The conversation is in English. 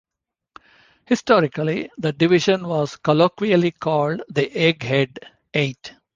Historically, the division was colloquially called the egghead eight.